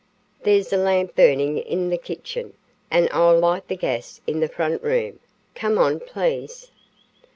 "There's a lamp burning in the kitchen, and I'll light the gas in the front room. Come on, please."